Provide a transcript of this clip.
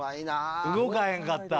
動かへんかった。